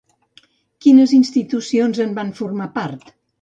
Quines institucions en van formar part?